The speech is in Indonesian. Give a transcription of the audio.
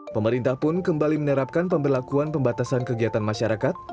pemerintah pun kembali menerapkan pemberlakuan pembatasan kegiatan masyarakat